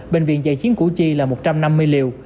bệnh viện giải chiến củ chi là một trăm năm mươi liều